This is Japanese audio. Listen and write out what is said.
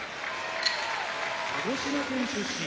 鹿児島県出身